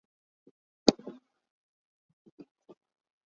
改进的耒有两个尖头或有省力曲柄。